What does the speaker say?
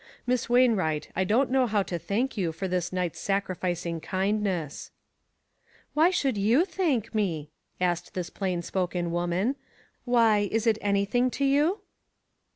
Miss Wainwright, I don't know how to thank you for this night's sacrificing kindness." " Why should you thank me ?" asked this plain spoken woman. "Why, is it anything to you?"